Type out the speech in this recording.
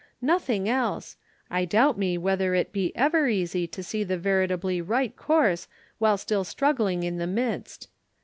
"Nothing else! I doubt me whether it be ever easy to see the veritably right course while still struggling in the midst.